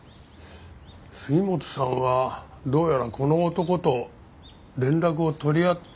杉本さんはどうやらこの男と連絡を取り合っていたようですね。